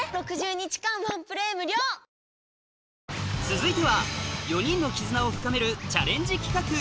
続いては４人の絆を深めるチャレンジ企画